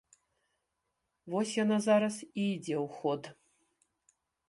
Вось яна зараз і ідзе ў ход.